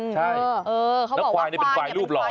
ใช่แล้วควายนี่เป็นควายรูปหล่อ